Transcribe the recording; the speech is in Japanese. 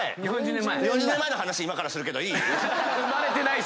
４０年前の話今からするけどいい？